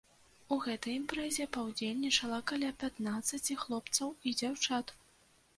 У гэтай імпрэзе паўдзельнічала каля пятнаццаці хлопцаў і дзяўчат.